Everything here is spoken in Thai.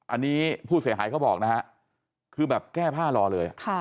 อันนี้ผู้เสียหายเขาบอกนะฮะคือแบบแก้ผ้ารอเลย